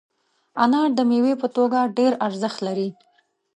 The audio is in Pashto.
انار د میوې په توګه ډېر ارزښت لري.